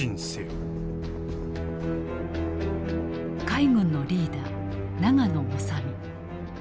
海軍のリーダー永野修身。